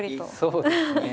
そうですね。